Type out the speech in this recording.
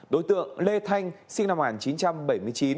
đối tượng lê thanh sinh năm một nghìn chín trăm bảy mươi chín